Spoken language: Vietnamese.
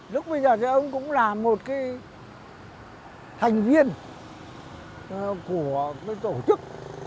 lúc bây giờ thì ông cũng là một thành viên của tổ chức